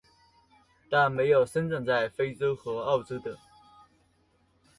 但没有生长在非洲和澳洲的。